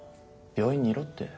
病院にいろって。